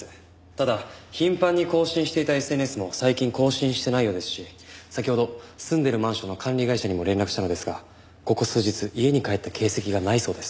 ただ頻繁に更新していたＳＮＳも最近更新してないようですし先ほど住んでるマンションの管理会社にも連絡したのですがここ数日家に帰った形跡がないそうです。